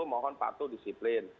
mohon patuh disiplin